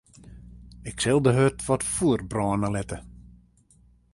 Ik sil de hurd wat fûler brâne litte.